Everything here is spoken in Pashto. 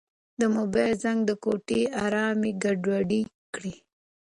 د موبایل زنګ د کوټې ارامي ګډوډه کړه.